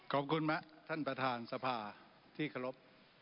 ขอบคุณไหมท่านประธานสภาที่เคารพ